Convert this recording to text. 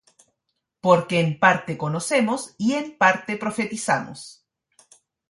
Porque en parte conocemos, y en parte profetizamos;